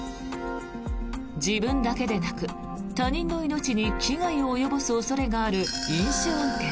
自分だけでなく他人の命に危害を及ぼす恐れのある飲酒運転。